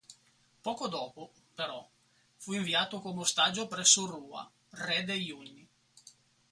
Poco dopo, però, fu inviato come ostaggio presso Rua, re degli Unni.